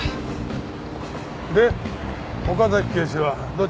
で岡崎警視はどちらへ？